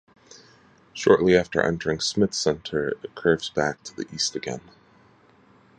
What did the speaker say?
Shortly after entering Smith Center it curves back to the east again.